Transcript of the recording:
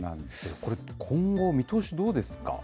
これ、今後の見通しどうですか？